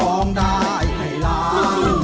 ร้องได้ให้ล้าน